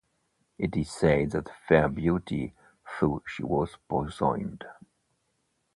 It is said that the fair beauty thought she was poisoned.